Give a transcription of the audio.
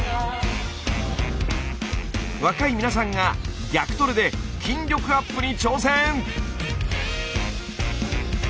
若い皆さんが逆トレで筋力アップに挑戦！